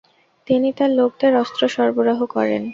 তিনি তার লোকদের অস্ত্র সরবরাহ করেন।